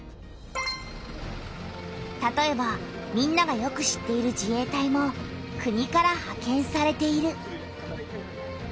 たとえばみんながよく知っている自衛隊も国からはけんされている。